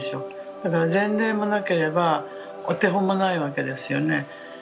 だから前例もなければお手本もないわけですよね。